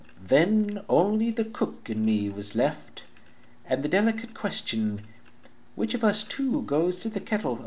"Then only the cook and me was left, And the delicate question, 'Which Of us two goes to the kettle?'